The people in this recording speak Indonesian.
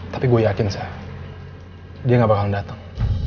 tapi gue yakin sa dia gak bakalan dateng